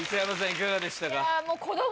いかがでしたか？